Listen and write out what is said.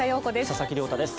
佐々木亮太です。